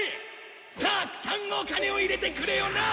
たくさんお金を入れてくれよな！